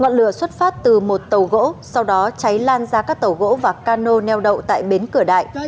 ngọn lửa xuất phát từ một tàu gỗ sau đó cháy lan ra các tàu gỗ và cano neo đậu tại bến cửa đại